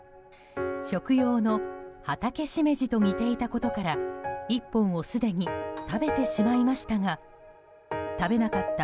食用のハタケシメジと似ていたことから１本をすでに食べてしまいましたが食べなかった、